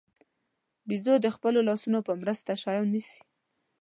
بیزو د خپلو لاسونو په مرسته شیان نیسي.